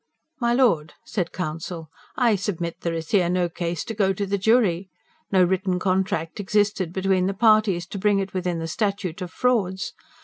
"My Lord," said counsel, "I submit there is here no case to go to the jury. No written contract existed between the parties, to bring it within the Statute of Frauds.